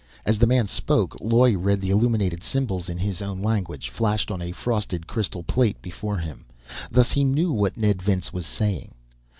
As the man spoke, Loy read the illuminated symbols in his own language, flashed on a frosted crystal plate before him. Thus he knew what Ned Vince was saying.